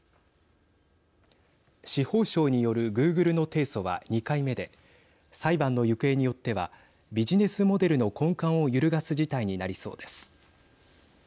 司法省によるグーグルの提訴は２回目で裁判の行方によってはビジネスモデルの根幹を揺るがす事態になりそうです。